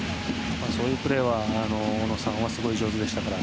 そういうプレーは小野さんはすごい上手でしたから。